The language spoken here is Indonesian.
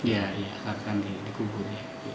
iya iya karena kan dikubur